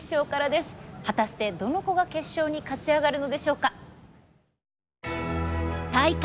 果たしてどの子が決勝に勝ち上がるのでしょうか。